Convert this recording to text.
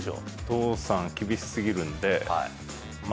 お父さん厳し過ぎるんで。